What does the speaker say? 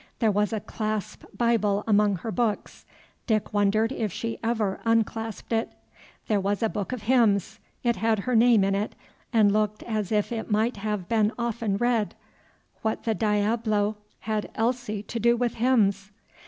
There was a clasp Bible among her books. Dick wondered if she ever unclasped it. There was a book of hymns; it had her name in it, and looked as if it might have been often read; what the diablo had Elsie to do with hymns?